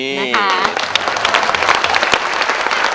นะคะ